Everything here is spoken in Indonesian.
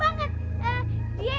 dia ialah iblis